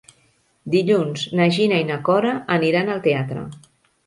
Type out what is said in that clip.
Dilluns na Gina i na Cora aniran al teatre.